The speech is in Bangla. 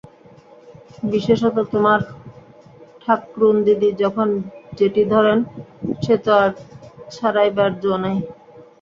বিশেষত তোমার ঠাকরুনদিদি যখন যেটি ধরেন সে তো আর ছাড়াইবার জো নাই।